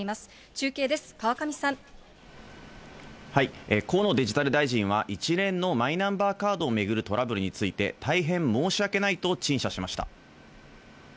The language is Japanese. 中継です、河野デジタル大臣は、一連のマイナンバーカードを巡るトラブルについて、大変申し訳ないと陳謝しました。